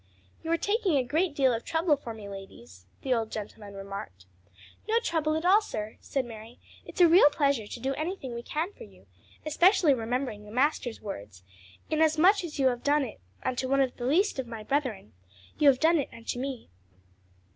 "You are taking a great deal of trouble for me, ladies," the old gentleman remarked. "No trouble at all, sir," said Mary; "it's a real pleasure to do anything we can for you: especially remembering the Master's words, 'Inasmuch as you have done it unto one of the least of these my brethren, you have done it unto me.'"